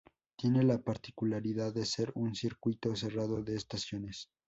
Tiene la particularidad de ser un circuito cerrado de estaciones.